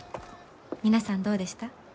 皆さんどうでした？